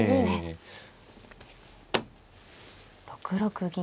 ６六銀。